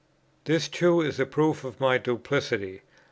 '" This too is a proof of my duplicity!